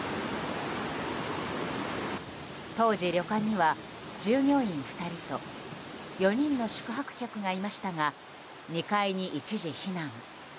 当時、旅館には従業員２人と４人の宿泊客がいましたが２階に一時避難。